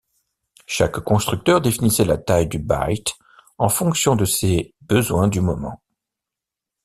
Chaque constructeur définissait la taille du byte en fonction de ses besoins du moment.